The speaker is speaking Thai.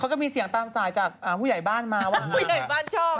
เขาก็มีเสียงตามสายจากผู้ใหญ่บ้านมาว่า